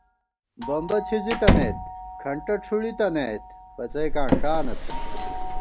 بمبہ څِھزِی تنَئیت، کھنٹہ ڄُھوڑِی تنَئیت، پڅَئیکاں ݭا نَتھنہ